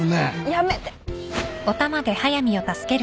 やめて